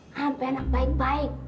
sampai anak baik baik